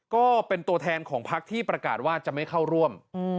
ก็เป็นตัวแทนของพักที่ประกาศว่าจะไม่เข้าร่วม